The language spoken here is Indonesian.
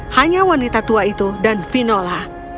hanya wanita tua itu dan vinola